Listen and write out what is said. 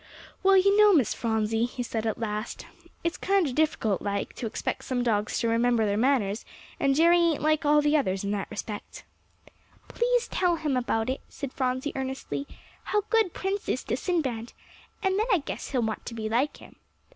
"Well, you know, Miss Phronsie," he said at last, "it's kinder difficult like, to expect some dogs to remember their manners; and Jerry ain't like all the others in that respect." "Please tell him about it," said Phronsie earnestly, "how good Prince is to Sinbad, and then I guess he'll want to be like him."